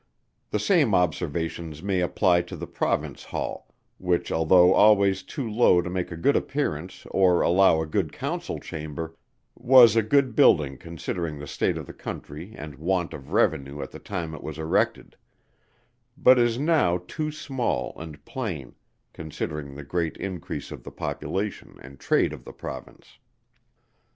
The same observations may apply to the Province Hall, which although always too low to make a good appearance or allow a good Council Chamber, was a good building considering the state of the country and want of revenue at the time it was erected; but is now too small and plain, considering the great increase of the population and trade of the Province.